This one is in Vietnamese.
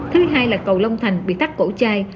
thứ hai là cầu long thành bị tắt cổ chai